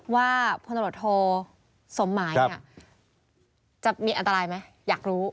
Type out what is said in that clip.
ว่าพนธโรโทสมหมายจะมีอันตรายไหมอยากรู้